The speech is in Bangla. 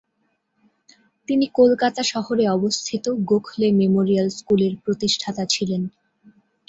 তিনি কলকাতা শহরে অবস্থিত গোখলে মেমোরিয়াল স্কুলের প্রতিষ্ঠাতা ছিলেন।